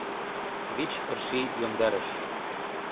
ВИЧ ЫРШИЙ ЙОМДАРЫШ